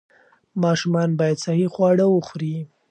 ماشومان باید صحي خواړه وخوري.